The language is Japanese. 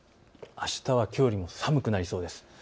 あしたはきょうより寒くなりそうです。